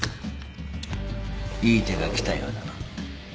いい手が来たようだな。